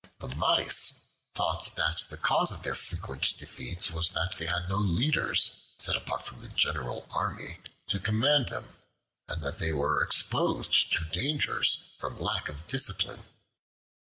The Mice thought that the cause of their frequent defeats was that they had no leaders set apart from the general army to command them, and that they were exposed to dangers from lack of discipline.